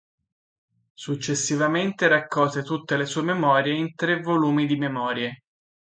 Successivamente raccolse tutte le sue memorie in tre volumi di Memorie.